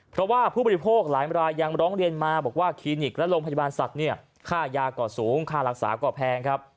เพราะว่าผู้บริโภคหลายรายยังร้องเรียนมาบอกว่าคลินิกและโรงพยาบาลสัตว์เนี่ยค่ายาก็สูงค่ารักษาก็แพงครับ